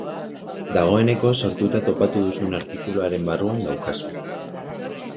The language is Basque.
Dagoeneko sortuta topatu duzun artikuluaren barruan daukazu.